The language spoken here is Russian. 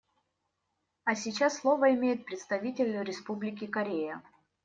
А сейчас слово имеет представитель Республики Корея.